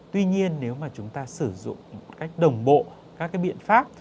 tuy nhiên nếu mà chúng ta sử dụng một cách đồng bộ các biện pháp